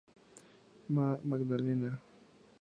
Mª Magdalena.